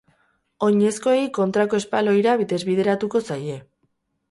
Oinezkoei kontrako espaloira desbideratuko zaie.